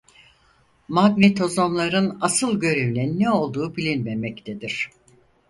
Magnetozomların asıl görevinin ne olduğu bilinmemektedir.